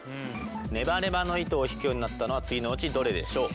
ネバネバの糸を引くようになったのは次のうちどれでしょう？